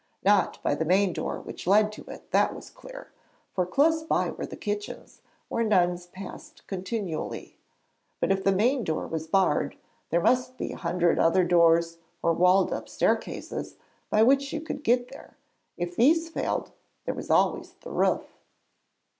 Not by the main door which led to it, that was clear; for close by were the kitchens, where nuns passed continually! But if the main door was barred, there must be a hundred other doors or walled up staircases, by which you could get there; and if these failed, there was always the roof.